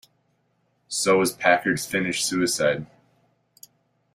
So was Packard's finish suicide.